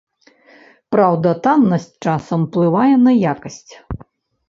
Праўда, таннасць часам уплывае на якасць.